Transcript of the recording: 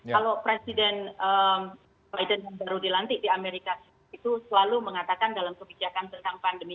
kalau presiden biden yang baru dilantik di amerika itu selalu mengatakan dalam kebijakan tentang pandemi